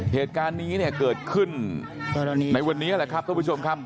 เหตุการณ์นี้เนี่ยเกิดขึ้นในวันนี้แหละครับท่านผู้ชมครับ